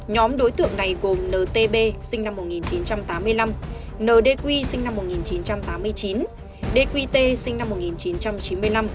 nhóm đối tượng này gồm ntb sinh năm một nghìn chín trăm tám mươi năm nd quy sinh năm một nghìn chín trăm tám mươi chín dqt sinh năm một nghìn chín trăm chín mươi năm